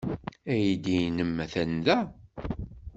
Aydi-nnem atan da.